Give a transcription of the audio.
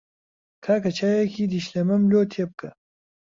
کاکە چایەکی دیشلەمەم لۆ تێ بکە.